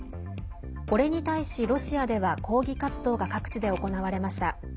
これに対し、ロシアでは抗議活動が各地で行われました。